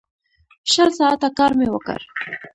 شل ساعته کار مې وکړ.